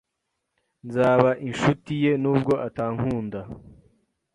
Nzaba inshuti ye nubwo atankunda